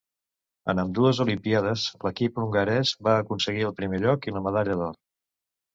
En ambdues Olimpíades l'equip hongarès va aconseguir el primer lloc i la medalla d'or.